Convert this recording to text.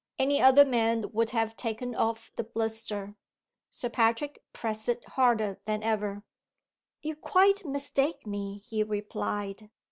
Any other man would have taken off the blister. Sir Patrick pressed it harder than ever. "You quite mistake me," he replied.